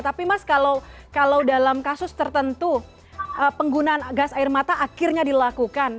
tapi mas kalau dalam kasus tertentu penggunaan gas air mata akhirnya dilakukan